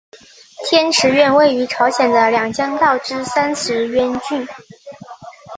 天池院位于朝鲜的两江道之三池渊郡。